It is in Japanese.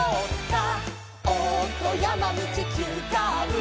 「おっとやまみちきゅうカーブ」「」